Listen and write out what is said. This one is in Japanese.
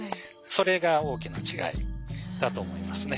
それが大きな違いだと思いますね。